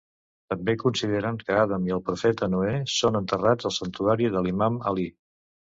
També consideren que Adam i el profeta Noè són enterrats al santuari de l'imam Alí.